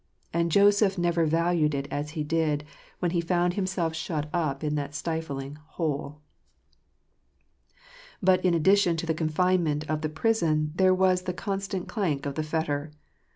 And Joseph never valued it as he di d wh en he found himse lf shut up in that stifling "hole." But in addition to the confinement of the prison, there was the constant clank of the fetter.